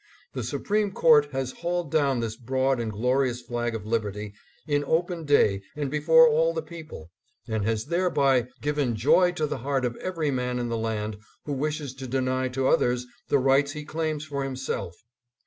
The Supreme Court has hauled down this broad and glorious flag of liberty in open day and before all the people, and has thereby given joy to the heart of every man in the land who wishes to deny to others the rights he claims for himself.